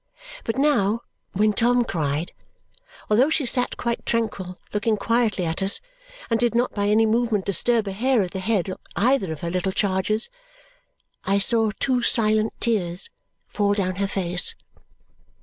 But now, when Tom cried, although she sat quite tranquil, looking quietly at us, and did not by any movement disturb a hair of the head of either of her little charges, I saw two silent tears fall down her face.